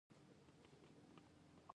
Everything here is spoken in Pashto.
افغانستان د کلیو په برخه کې کار کوي.